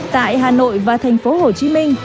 tại hà nội và thành phố hồ chí minh